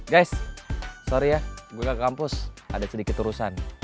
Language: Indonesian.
guys sorry ya gue ke kampus ada sedikit urusan